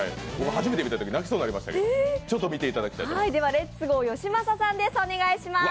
初めて見たとき泣きそうになったんですけどちょっと見ていただきたいと思います。